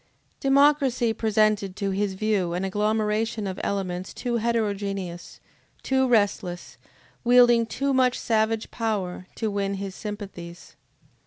Democracy presented to his view an agglomeration of elements too heterogeneous, too restless, wielding too much savage power, to win his sympathies.